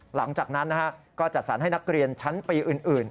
หลังจากนั้นก็จัดสรรให้นักเรียนชั้นปีอื่น